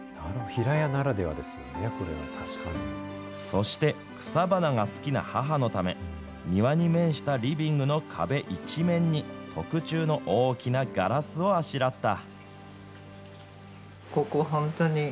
そして、草花が好きな母のため、庭に面したリビングの壁一面に、特注の大きなガラスをあしらった。